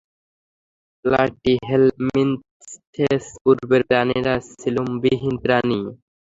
Platyhelminthes পর্বের প্রাণীরা সিলোমবিহীন প্রাণী।